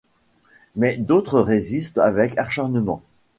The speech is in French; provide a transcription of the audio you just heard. Mais d'autres résistent avec acharnement.